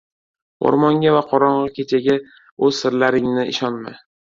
• O‘rmonga va qorong‘i kechaga o‘z sirlaringni ishonma.